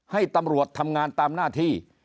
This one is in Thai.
ให้ตำรวจทำงานตามหน้าที่